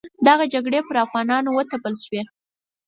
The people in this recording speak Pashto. دغه جګړې پر افغانانو وتپل شوې.